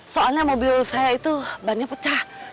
soalnya mobil saya itu pecah ban